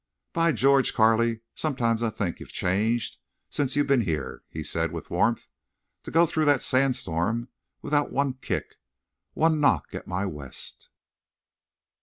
"By George! Carley, sometimes I think you've changed since you've been here," he said, with warmth. "To go through that sandstorm without one kick—one knock at my West!"